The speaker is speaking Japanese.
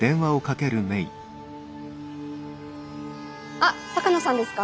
あっ鷹野さんですか？